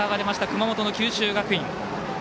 熊本の九州学院。